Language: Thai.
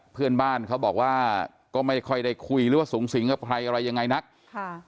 เพื่อนบ้านเขาบอกว่าก็ไม่ค่อยได้คุยหรือว่าสูงสิงกับใครอะไรยังไงนักค่ะ